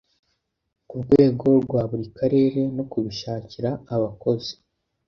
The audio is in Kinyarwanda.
ku rwego rwa buri karere no kubishakira abakozi.